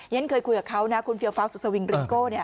ฉันเคยคุยกับเขานะคุณเฟียวฟ้าสุดสวิงริงโก้